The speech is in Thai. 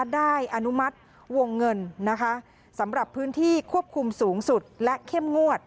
อนุมัติวงเงินนะคะสำหรับพื้นที่ควบคุมสูงสุดและเข้มงวด